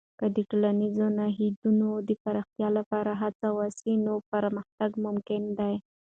که د ټولنیزو نهادونو د پراختیا لپاره هڅه وسي، نو پرمختګ ممکن دی.